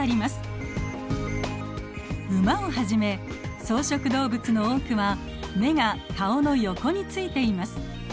ウマをはじめ草食動物の多くは眼が顔の横についています。